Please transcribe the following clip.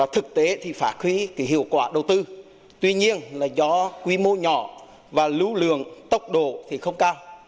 thực tế thì phả khí hiệu quả đầu tư tuy nhiên là do quy mô nhỏ và lưu lượng tốc độ thì không cao